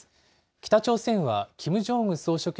北朝鮮はキム・ジョンウン総書記